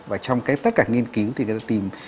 và trong tất cả nghiên cứu thì người ta tìm